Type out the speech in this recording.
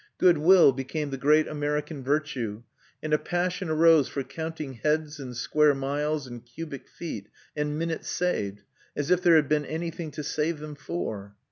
Good will became the great American virtue; and a passion arose for counting heads, and square miles, and cubic feet, and minutes saved as if there had been anything to save them for.